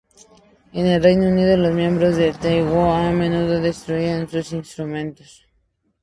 En el Reino Unido, los miembros de The Who a menudo destruían sus instrumentos.